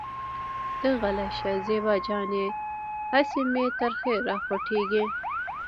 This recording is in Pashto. ته غلې شه زېبا جانې اسې مې تريخی راخوټکېږي.